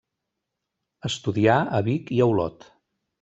Estudià a Vic i a Olot.